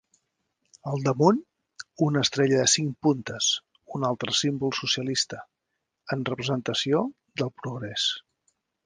Al damunt, una estrella de cinc puntes, un altre símbol socialista, en representació del progrés.